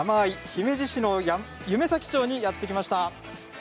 姫路市夢前町にやって来ました。